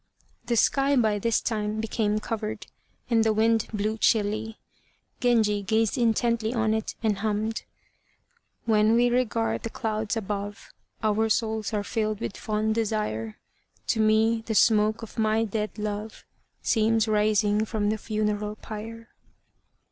The sky by this time became covered, and the wind blew chilly. Genji gazed intently on it and hummed: "When we regard the clouds above, Our souls are filled with fond desire, To me the smoke of my dead love, Seems rising from the funeral pyre."